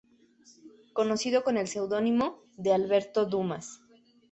Conocido con el seudónimo de "Alberto Dumas".